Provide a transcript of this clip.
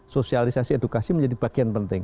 sosialisasi edukasi menjadi bagian penting